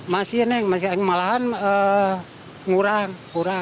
masih nih malahan kurang